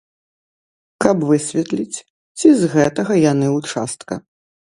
Каб высветліць, ці з гэтага яны ўчастка.